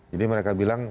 jadi mereka bilang